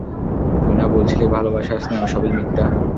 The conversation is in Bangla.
তুই না বলছিলি ভালোবাসা, স্নেহ সবই মিথ্যা।